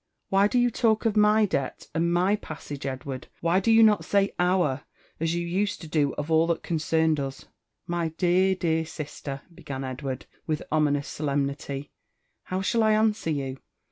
''Why do you talk of mp debt and my passage, Edward ? Why do you not say our, as you used to do of all that concerned us?" '' My de^r, dear sister I" began Edward wilh ominous solemnity, "how shall I answer you?